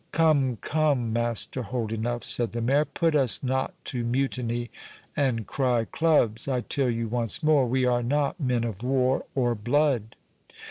"Come, come, Master Holdenough," said the Mayor, "put us not to mutiny and cry Clubs. I tell you once more, we are not men of war or blood."